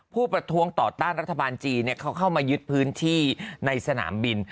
ประท้วงต่อต้านรัฐบาลจีนเขาเข้ามายึดพื้นที่ในสนามบิน